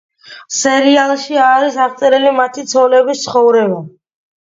სერიალში არის აღწერილი მათი ცოლების ცხოვრება.